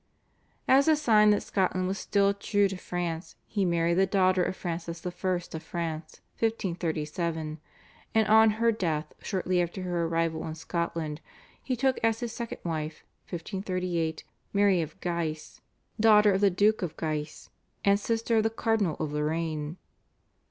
As a sign that Scotland was still true to France he married the daughter of Francis I. of France (1537), and on her death shortly after her arrival in Scotland, he took as his second wife (1538) Mary of Guise, daughter of the Duke of Guise and sister of the Cardinal of Lorraine.